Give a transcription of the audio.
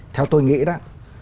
theo tôi nghĩ đó